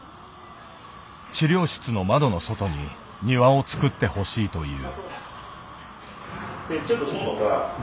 治療室の窓の外に庭をつくってほしいという。